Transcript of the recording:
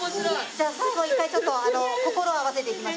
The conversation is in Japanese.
じゃあ最後一回ちょっと心を合わせていきましょう。